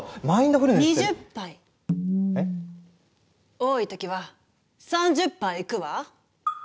多い時は３０杯いくわ。